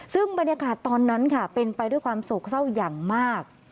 ซึ่งบรรยากาศตอนนั้นค่ะเป็นไปด้วยความโศกเศร้าอย่างมาก